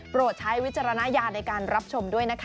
ใช้วิจารณญาณในการรับชมด้วยนะคะ